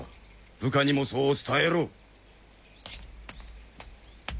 部下にもそう伝えろ。